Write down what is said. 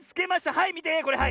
はいみてこれはい。